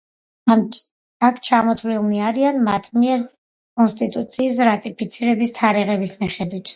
აქ ჩამოთვლილნი არიან მათ მიერ კონსტიტუციის რატიფიცირების თარიღების მიხედვით.